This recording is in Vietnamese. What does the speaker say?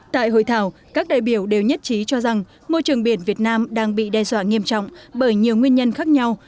tại hội thảo các đại biểu đều nhất trí cho rằng môi trường biển việt nam đang bị đe dọa nghiêm trọng bởi nhiều nguyên nhân khác nhau